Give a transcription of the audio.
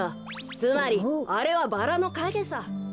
つまりあれはバラのかげさ。